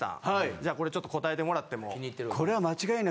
じゃあこれちょっと答えてもらっても。